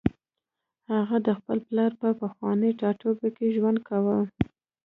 هغه د خپل پلار په پخواني ټاټوبي کې ژوند کاوه